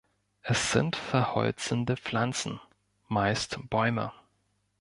Es sind verholzende Pflanzen: meist Bäume.